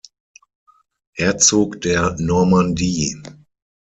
Herzog der Normandie.